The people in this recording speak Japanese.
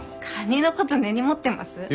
カニのこと根に持ってます？